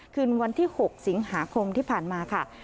คืนวันที่๖สิงหาคมที่ผ่านมาค่ะ